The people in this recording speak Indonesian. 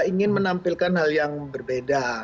ingin menampilkan hal yang berbeda